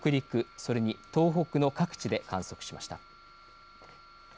それに東北の各地で観測しました。